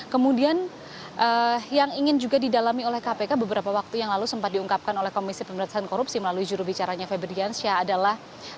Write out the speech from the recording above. kemudian yang ingin juga didalami oleh kpk beberapa waktu yang lalu sempat diungkapkan oleh komisi pemerintahan korupsi melalui jurubicaranya febriansyah adalah